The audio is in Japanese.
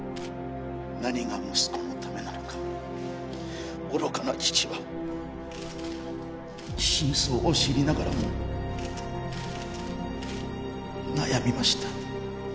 何が息子のためなのか愚かな父は真相を知りながらも悩みました。